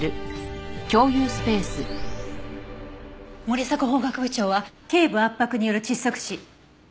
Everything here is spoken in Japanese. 森迫法学部長は頸部圧迫による窒息死。